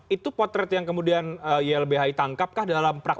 itu potret yang kemudian ylbhi tangkapkah dalam praktik sidangan kita